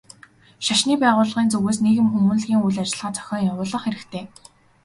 Шашны байгууллагын зүгээс нийгэм хүмүүнлэгийн үйл ажиллагаа зохион явуулах хэрэгтэй.